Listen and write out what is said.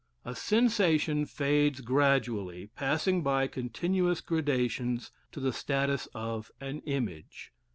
A sensation fades gradually, passing by continuous gradations to the status of an image.